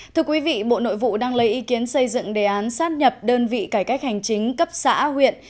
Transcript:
thưa quý vị bộ nội vụ đang lấy ý kiến xây dựng đề án sát nhập đơn vị cải cách hành chính cấp xã huyện